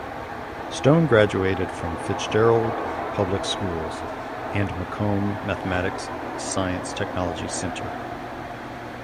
Stone graduated from Fitzgerald Public Schools and Macomb Mathematics Science Technology Center.